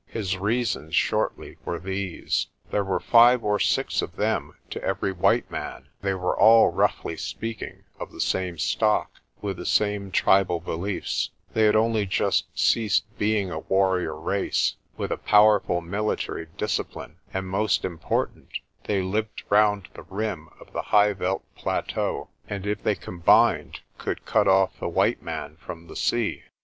His reasons, shortly, were these: there were five or six of them to every white man; they were all, roughly speaking, of the same stock, with the same tribal belief Sj they had only just ceased being a warrior race, with a powerful military discipline ; and, most important, they lived round the rim of the high veld plateau, and if they combined could cut off the white man from the sea.